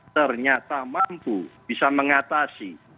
ternyata mampu bisa mengatasi